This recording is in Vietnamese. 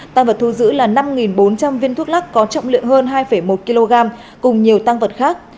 tăng vật thu giữ là năm bốn trăm linh viên thuốc lắc có trọng lượng hơn hai một kg cùng nhiều tăng vật khác